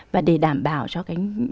và để đảm bảo cho cái